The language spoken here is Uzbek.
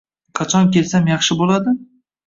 Qachon kelsam yaxshi bo'ladi?